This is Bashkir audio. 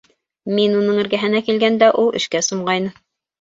Мин уның эргәһенә килгәндә, ул эшкә сумғайны